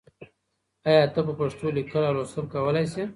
آیا ته په پښتو لیکل او لوستل کولای شې؟